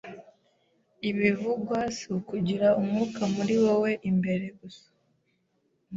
Ibivugwa si ukugira Umwuka muri wowe imbere, gusa